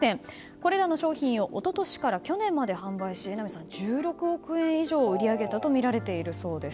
これらの商品を一昨年から去年まで販売し１６億円以上、売り上げたとみられているそうです。